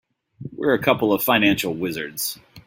We're a couple of financial wizards.